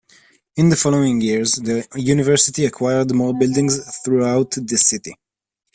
In the following years, the university acquired more buildings throughout the city.